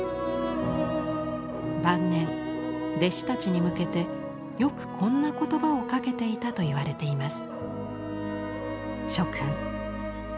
晩年弟子たちに向けてよくこんな言葉をかけていたといわれています。